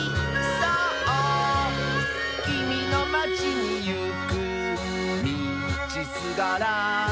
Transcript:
「きみのまちにいくみちすがら」